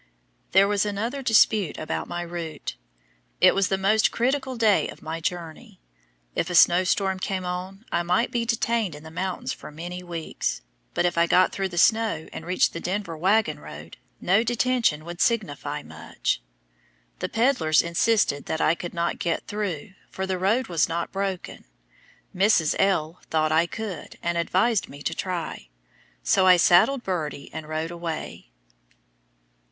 There was another dispute about my route. It was the most critical day of my journey. If a snowstorm came on, I might be detained in the mountains for many weeks; but if I got through the snow and reached the Denver wagon road, no detention would signify much. The pedlars insisted that I could not get through, for the road was not broken. Mrs. L. thought I could, and advised me to try, so I saddled Birdie and rode away.